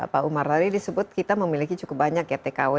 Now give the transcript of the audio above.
pak umar tadi disebut kita memiliki cukup banyak ya tkw